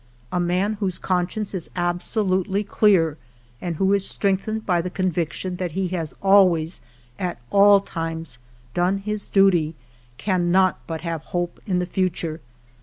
A man whose conscience is absolutely clear and who is strengthened by the conviction that he has always, at all times, done his duty, cannot but have hope in the future.